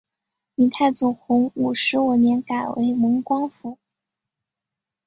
明太祖洪武十五年改为蒙光府。